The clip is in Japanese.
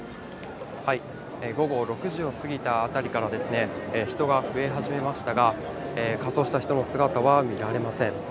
午後６時を過ぎたあたりからですね、人が増え始めましたが、仮装した人の姿は見られません。